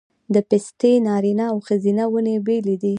د پستې نارینه او ښځینه ونې بیلې دي؟